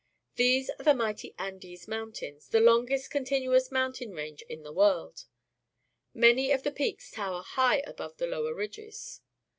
These are the mightj^ Andes Mountains^ the longest continuous mountain range in the world. Many of the peaks tower high above the lower ridges.